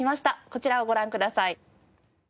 こちらをご覧ください。